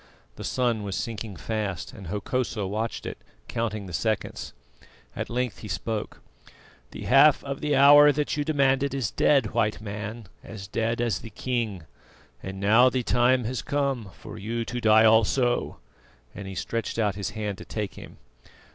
The sun was sinking fast, and Hokosa watched it, counting the seconds. At length he spoke: "The half of the hour that you demanded is dead, White Man, as dead as the king; and now the time has come for you to die also," and he stretched out his hand to take him.